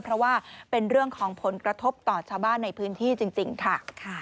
เพราะว่าเป็นเรื่องของผลกระทบต่อชาวบ้านในพื้นที่จริงค่ะ